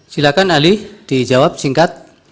silakan ali dijawab singkat